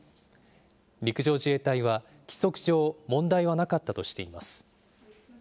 陸上自衛隊は、規則上、問題はなかったとしています。